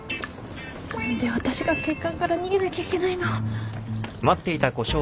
何で私が警官から逃げなきゃいけないの。